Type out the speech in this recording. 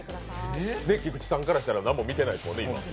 菊池さんからしたら、何も見てないですもんね。